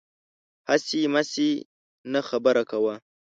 هسې مسې نه، خبره کوه